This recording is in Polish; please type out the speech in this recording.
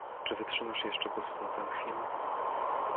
Czy wytrzymasz jeszcze bez snu tę chwilę?